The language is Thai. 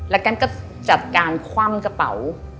แล้วกันก็จัดการคว่ำกระเป๋า